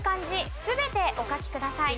全てお書きください。